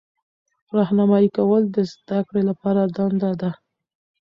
راهنمایي کول د زده کړې لپاره دنده ده.